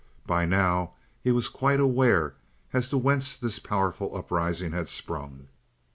By now he was quite aware as to whence this powerful uprising had sprung.